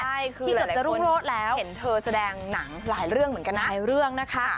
ใช่คือหลายคนเห็นเธอแสดงหนังหลายเรื่องเหมือนกันนะ